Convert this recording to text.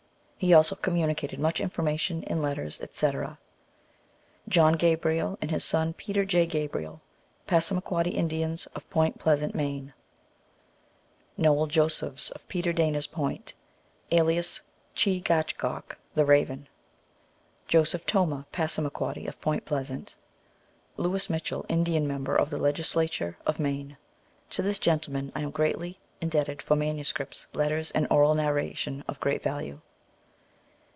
He also communicated much information in letters, etc. John Gabriel, and his son Peter J. Gabriel, Passarnaquoddy In dians, of Point Pleasant, Maine. Noel Josephs, of Peter Dana s Point, alias Che gach goch, the Raven. Joseph Tomah, Passamaquoddy, of Point Pleasant. Louis Mitchell, Indian member of the Legislature of Maine. To this gentleman I am greatly indebted for manuscripts, letters, and oral narrations of great value.